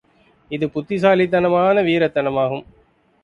இது புத்திசாலித்தனமான வீரத் தனமாகும்.